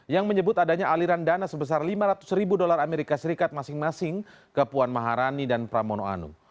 yang menyebut adanya aliran dana sebesar lima ratus ribu dolar amerika serikat masing masing ke puan maharani dan pramono anung